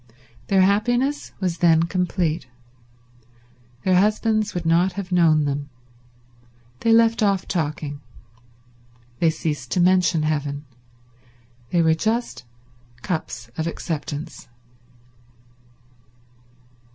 Their happiness was then complete. Their husbands would not have known them. They left off talking. They ceased to mention heaven. They were just cups of acceptance.